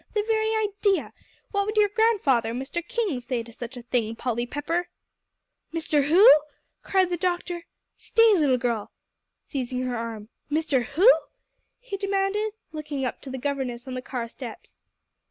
The very idea! What would your grandfather, Mr. King, say to such a thing, Polly Pepper?" "Mr. who?" cried the doctor. "Stay, little girl," seizing her arm. "Mr. who?" he demanded, looking up to the governess on the car steps.